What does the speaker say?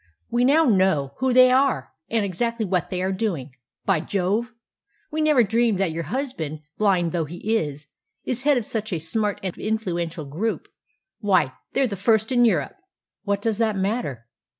We now know who they are, and exactly what they are doing. By Jove! we never dreamed that your husband, blind though he is, is head of such a smart and influential group. Why, they're the first in Europe." "What does that matter?